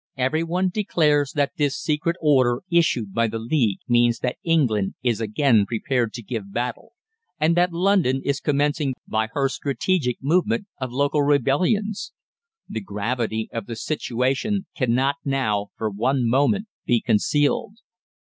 "Every one declares that this secret order issued by the League means that England is again prepared to give battle, and that London is commencing by her strategic movement of local rebellions. The gravity of the situation cannot now, for one moment, be concealed.